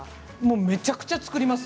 めちゃくちゃ作ります。